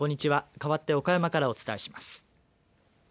かわって岡山からお伝えします。